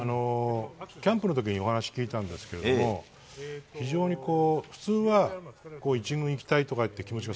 キャンプの時にお話聞いたんですけど非常に普通は１軍に行きたいという思いは